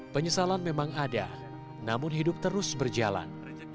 penyesalan memang ada namun hidup terus berjalan